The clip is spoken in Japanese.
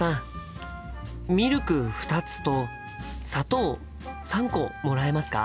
ミルク２つと砂糖３個もらえますか？